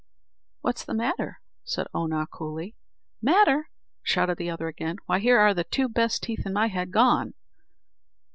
"What's the matter?" said Oonagh coolly. "Matter!" shouted the other again; "why here are the two best teeth in my head gone."